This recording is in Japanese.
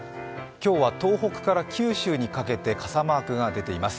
今日は東北から九州にかけて傘マークが出ています。